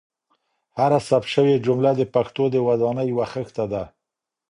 هره ثبت شوې جمله د پښتو د ودانۍ یوه خښته ده.